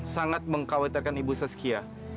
sangat mengkhawatirkan ibu soskiah